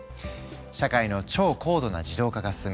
社会の超高度な自動化が進み